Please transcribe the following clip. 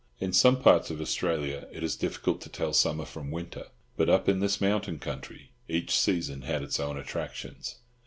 In some parts of Australia it is difficult to tell summer from winter; but up in this mountain country each season had its own attractions.